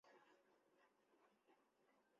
এ যে রুইমাছের মুড়ো।